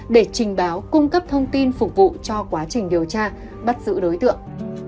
để trình báo cung cấp thông tin phục vụ cho quá trình điều tra bắt giữ đối tượng